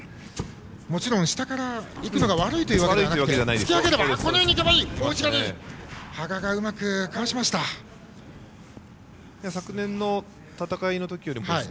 もちろん下からいくのが悪いわけではないです。